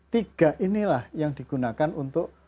tiga inilah yang digunakan untuk